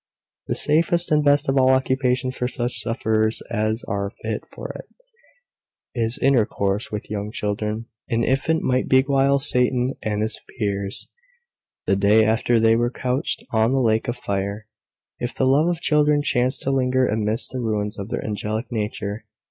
The safest and best of all occupations for such sufferers as are fit for it, is intercourse with young children. An infant might beguile Satan and his peers the day after they were couched on the lake of fire, if the love of children chanced to linger amidst the ruins of their angelic nature.